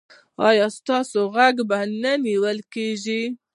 ایا ستاسو غږ به نه نیول کیږي؟